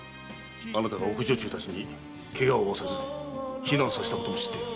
あなたが奥女中たちに怪我を負わさず避難させたことも知っている。